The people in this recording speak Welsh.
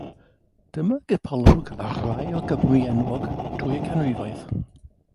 Dyma gipolwg ar rai o Gymry enwog drwy'r canrifoedd.